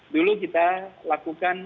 dulu kita lakukan